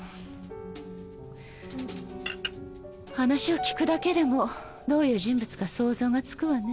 話を聞くだけでもどういう人物か想像がつくわね。